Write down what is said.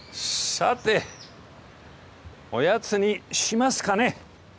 さておやつにしますかね。